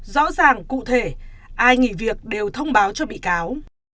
rõ ràng cụ thể ai nghỉ việc đều thông báo cho bị cáo